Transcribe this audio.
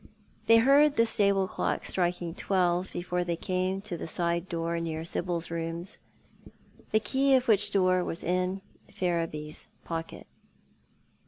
They heard the stable clock striking twelve before they came to the side door near Sibyl's rooms, the key of which door was in Ferriby's pocket.